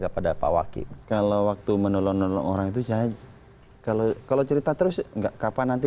kepada pak wakil kalau waktu menolong orang itu saya kalau kalau cerita terus enggak kapan nanti